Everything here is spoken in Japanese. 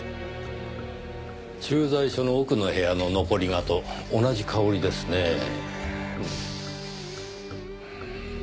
駐在所の奥の部屋の残り香と同じ香りですねぇ。